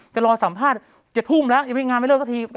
จะรอสัมภาษณ์๗ทุ่มแล้วยังไม่งานไม่เลิกสักที